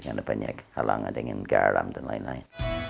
karena banyak halangan dengan garam dan lain lain